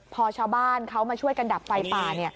พอชาวบ้านเขามาช่วยกันดับไฟป่า